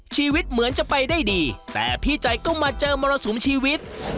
ชีวิตเหมือนจะไปได้ดีแต่พี่ใจก็มาเจอมรสุมชีวิต